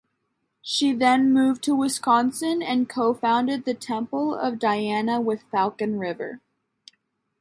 She then moved to Wisconsin and co-founded The Temple of Diana with Falcon River.